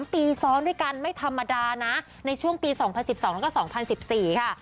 ๓ปีซ้อนด้วยกันไม่ธรรมดานะในช่วงปี๒๐๑๒แล้วก็๒๐๑๔ค่ะ